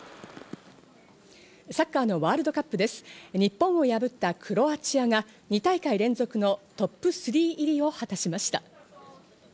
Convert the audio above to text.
サッカーのワールドカップで日本を破ったクロアチアが２大会連続のトップ３入りを果たしました。